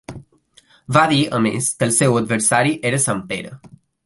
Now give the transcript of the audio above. Va dir, a més, que el seu adversari era Sant Pere.